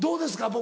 僕。